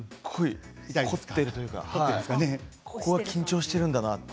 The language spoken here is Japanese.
緊張しているんだなと。